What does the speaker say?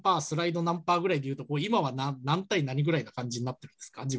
スライド何％ぐらいでいうと今は何対何ぐらいな感じになってるんですか？